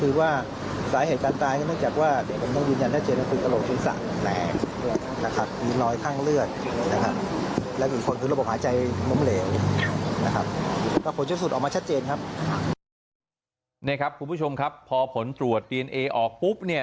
นี่ครับคุณผู้ชมครับพอผลตรวจดีเอนเอออกปุ๊บเนี่ย